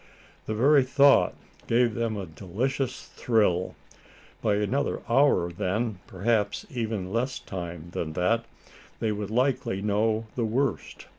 The very thought gave them a delicious thrill. By another hour then, perhaps in even less time than that, they would likely know the worst.